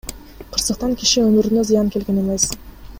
Кырсыктан киши өмүрүнө зыян келген эмес.